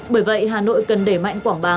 bởi vậy hà nội cần để mạnh quảng bá